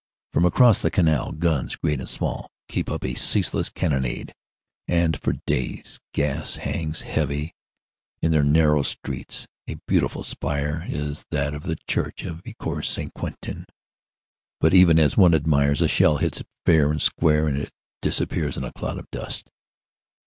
From across the canal guns great and small keep up a ceaseless cannonade, and for days gas hangs heavy in their narrow streets. A beautiful spire is that of the church of Ecourt St. Quentin, but even as one admires, a shell hits it fair and square and it disappears in a cloud of dust.